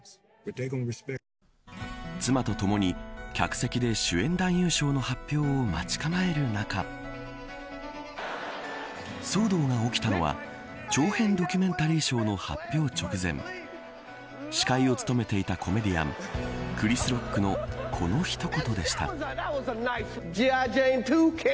妻とともに客席で主演男優賞の発表を待ち構える中騒動が起きたのは長編ドキュメンタリー賞の発表直前司会を務めていたコメディアンクリス・ロックのこの一言でした。